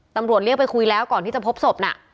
ตำรวจเรียกไปคุยแล้วก่อนที่จะพบศพน่ะ